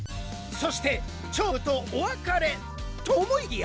そして勝舞とお別れと思いきや。